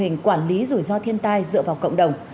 hiệu quả mô hình quản lý rủi ro thiên tai dựa vào cộng đồng